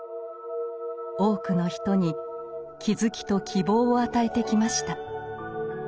多くの人に気付きと希望を与えてきました。